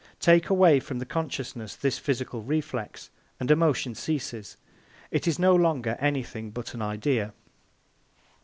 Take away from the consciousness this physical reflex, and emotion ceases. It is no longer anything but an idea.